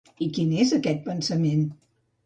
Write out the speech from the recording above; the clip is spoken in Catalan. I quin és, aquest pensament?